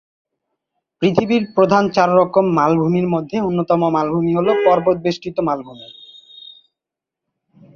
পৃথিবীর প্রধান চার রকম মালভূমির মধ্যে অন্যতম মালভূমি হল পর্বত বেষ্টিত মালভূমি।